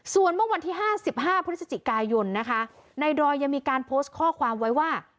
ส่วนเมื่อวันที่๕๕พฤศจิกายนนะคะในดอยยังมีการโพสต์ข้อความไว้ว่า